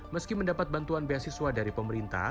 meski mendapat bantuan beasiswa dari pemerintah